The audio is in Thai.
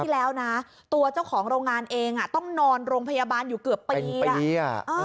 แล้วนะตัวเจ้าของโรงงานเองต้องนอนโรงพยาบาลอยู่เกือบปีอ่ะ